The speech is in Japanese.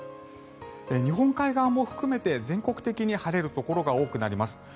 日本海側も含めて、全国的に晴れるところが多くなります。